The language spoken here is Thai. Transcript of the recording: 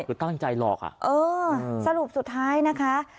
ไม่ตั้งใจหรอกเออสรุปสุดท้ายนะคะ